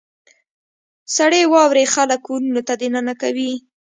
• سړې واورې خلک کورونو ته دننه کوي.